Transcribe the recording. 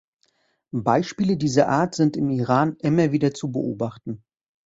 Beispiele dieser Art sind im Iran immer wieder zu beobachten.